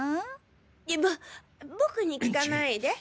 ぼ僕に聞かないで。